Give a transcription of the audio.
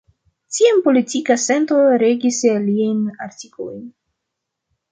Tiam politika sento regis liajn artikolojn.